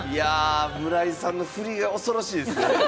村井さんのフリが恐ろしいですね。